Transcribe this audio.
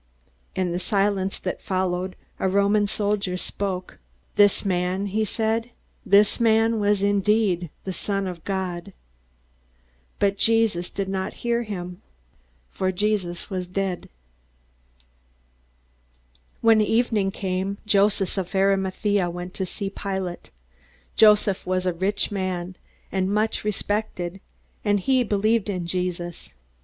In the silence that followed, a Roman soldier spoke. "This man " he said, "this man was indeed the Son of God." But Jesus did not hear him. For Jesus was dead. When evening came, a man named Joseph of Arimathaea went to see Pilate. Joseph was a rich man, and much respected; and he had believed in Jesus.